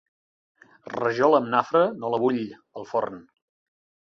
Rajola amb nafra no la vull al forn.